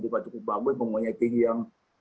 juga cukup bagus mempunyai tinggi yang